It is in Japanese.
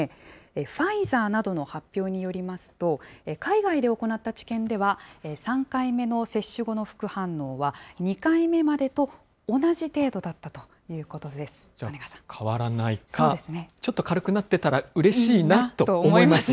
ファイザーなどの発表によりますと、海外で行った治験では、３回目の接種後の副反応は、２回目までと同じ程度だったということでじゃあ、変わらないか、ちょっと軽くなってたら、うれしいなと思います。